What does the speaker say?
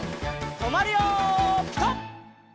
とまるよピタ！